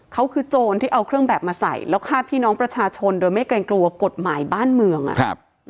เขาคือโจรที่เอาเครื่องแบบมาใส่แล้วฆ่าพี่น้องประชาชนโดยไม่เกรงกลัวกฎหมายบ้านเมืองอ่ะครับ